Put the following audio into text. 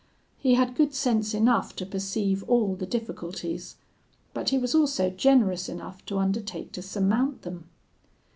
He had good sense enough to perceive all the difficulties; but he was also generous enough to undertake to surmount them.